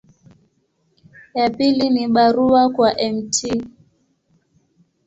Ya pili ni barua kwa Mt.